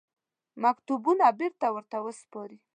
مکتوبونه بېرته ورته وسپاري.